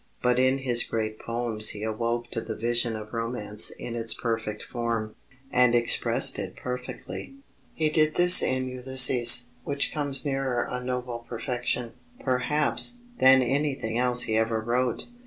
But in his great poems he awoke to the vision of romance in its perfect form, and expressed it perfectly. He did this in Ulysses, which comes nearer a noble perfection, perhaps, than anything else he ever wrote.